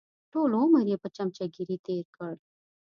ټول عمر یې په چمچهګیري تېر کړ.